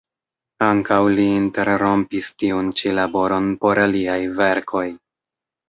Ankaŭ li interrompis tiun ĉi laboron por aliaj verkoj.